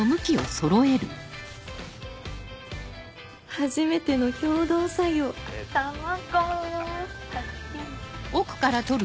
初めての共同作業卵発見。